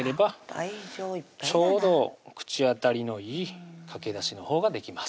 ちょうど口当たりのいいかけだしのほうができます